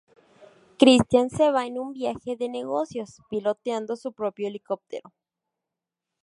Christian se va en un viaje de negocios, piloteando su propio helicóptero.